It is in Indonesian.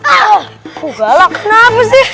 aku galak kenapa sih